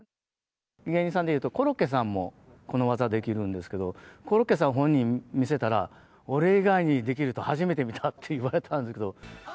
芸人さんでいうとコロッケさんも、この技できるんですけど、コロッケさん本人に見せたら、俺以外にできる人、初めて見たって言われたんですよ。